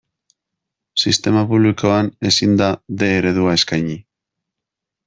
Sistema publikoan ezin da D eredua eskaini.